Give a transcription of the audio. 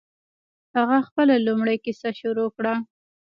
هغه خپله لومړۍ کیسه شروع کړه.